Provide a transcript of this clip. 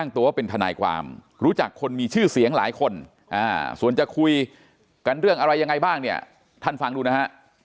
ตัวว่าเป็นทนายความรู้จักคนมีชื่อเสียงหลายคนส่วนจะคุยกันเรื่องอะไรยังไงบ้างเนี่ยท่านฟังดูนะฮะ